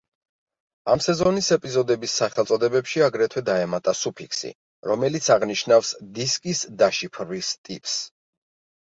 ამ სეზონის ეპიზოდების სახელწოდებებში აგრეთვე დაემატა სუფიქსი, რომელიც აღნიშნავს დისკის დაშიფვრის ტიპს.